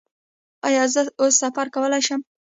ایا زه اوس سفر کولی شم؟